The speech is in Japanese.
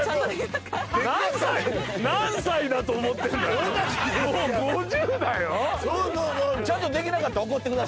何歳だと思ってるんだ